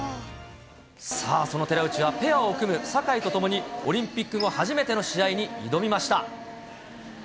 さあ、その寺内はペアを組む坂井と共に、オリンピック後初めての試合に挑みました。